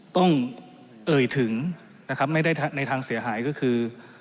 เอ่ยถึงนะครับไม่ได้ในทางเสียหายก็คือ